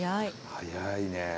早いね。